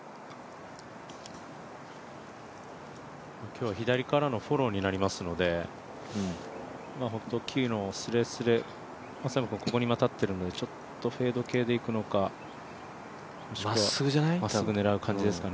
今日は左からのフォローになりますので木のすれすれ、松山君はここに立ってるのでちょっとフェード系でいくのか、もしくは狙う可能性か。